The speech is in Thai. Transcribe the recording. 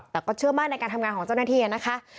แต่ก็เชื่อมั่นในการทำงานของเจ้าหน้าที่นะคะ